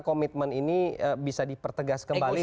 komitmen ini bisa dipertegas kembali